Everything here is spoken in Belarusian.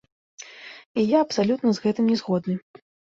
І я абсалютна з гэтым не згодны.